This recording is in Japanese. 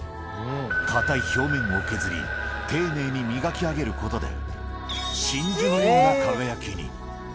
硬い表面を削り、丁寧に磨き上げることで、真珠のような輝きに。